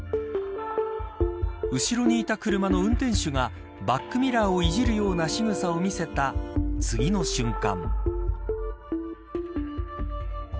後ろにいた車の運転手がバックミラーをいじるようなしぐさを見せた次の瞬間。